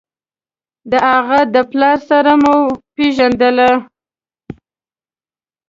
د هغه د پلار سره مو پېژندله.